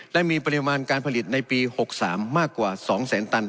และมีปริมาณการผลิตในปี๖๓มากกว่า๒แสนตัน